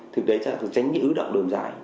thực tế là tránh những ưu động đồn dại